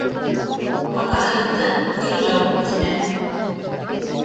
Атаһыҙҙы «кейәү» тимә.